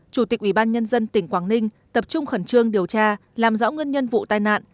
chủ tịch ubnd tỉnh quảng ninh tập trung khẩn trương điều tra làm rõ nguyên nhân vụ tai nạn